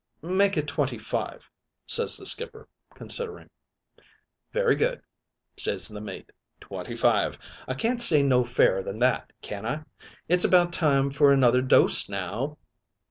"'Make it twenty five,' ses the skipper, considering. "'Very good,' ses the mate. 'Twenty five; I can't say no fairer than that, can I? It's about time for another dose now.'